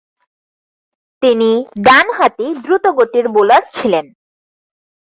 তিনি ডানহাতি দ্রুতগতির বোলার ছিলেন।